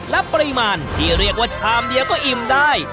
และปริมาณที่เรียกว่าชามเดียวก็อิ่มได้